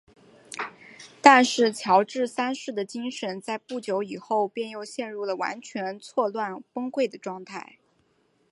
但是乔治三世的精神在不久以后便又陷入了完全错乱崩溃的状态。